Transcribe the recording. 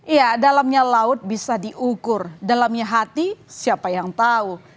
iya dalamnya laut bisa diukur dalamnya hati siapa yang tahu